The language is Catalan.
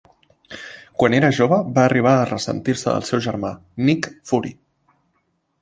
Quan era jove va arribar a ressentir-se del seu germà, Nick Fury.